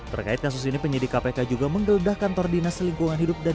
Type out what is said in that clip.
terkait kasus ini penyidik kpk juga menggeledah kantor dinas lingkungan hidup dan